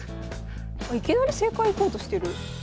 いきなり正解いこうとしてる。